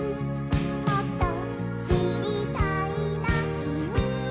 「もっとしりたいなきみのこと」